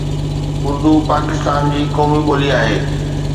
اردو پاڪستان جي قومي ٻولي آهي